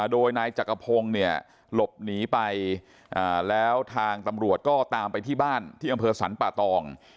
โดยนายจักรพงศ์เนี่ยหลบหนีไปแล้วทางตำรวจก็ตามไปที่บ้านที่อำเภอสรรป่าตอง